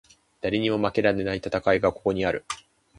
誰にも負けられない戦いがここにある